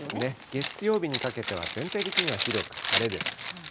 月曜日にかけては全体的には広く晴れです。